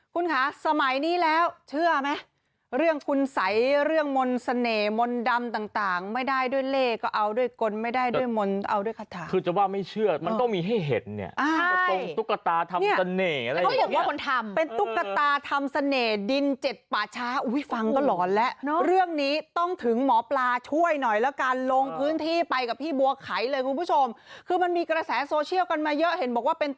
คุณคะสมัยนี้แล้วเชื่อไหมเรื่องคุณสัยเรื่องมนต์เสน่ห์มนต์ดำต่างไม่ได้ด้วยเลขก็เอาด้วยกลไม่ได้ด้วยมนต์เอาด้วยคัตถาคือจะว่าไม่เชื่อมันต้องมีให้เห็นเนี่ยตรงตุ๊กตาทำเสน่ห์เขาบอกว่าคนทำเป็นตุ๊กตาทำเสน่ห์ดินเจ็ดป่าช้าอุ้ยฟังก็หลอนแล้วเนอะเรื่องนี้ต้องถึงหมอปลาช่วยหน่อยแล้วกันลงพื้น